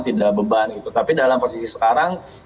tidak beban tapi dalam posisi normal